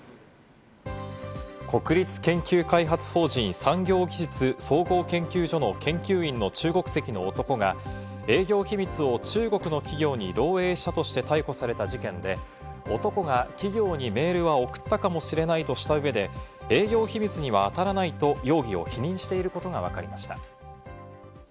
国立研究開発法人・産業技術総合研究所の研究員の中国籍の男が営業秘密を中国の企業に漏えいしたとして逮捕された事件で、男が企業にメールは送ったかもしれないとした上で営業秘密にはあたらないと容疑を否認していることがわかりました。